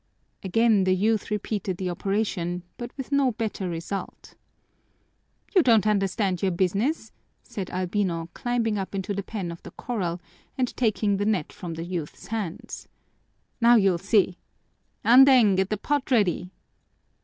Again the youth repeated the operation, but with no better result. "You don't understand your business," said Albino, climbing up into the pen of the corral and taking the net from the youth's hands. "Now you'll see! Andeng, get the pot ready!"